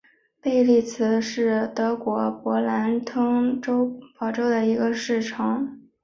贝利茨是德国勃兰登堡州的一个市镇。